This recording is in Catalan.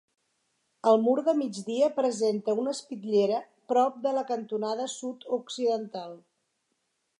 El mur de migdia presenta una espitllera prop de la cantonada sud-occidental.